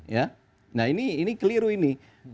ya nah ini keliru ini